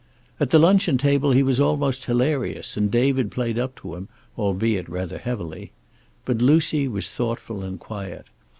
At the luncheon table he was almost hilarious, and David played up to him, albeit rather heavily. But Lucy was thoughtful and quiet.